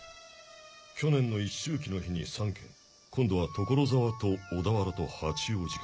去年の一周忌の日に３件今度は所沢と小田原と八王子から。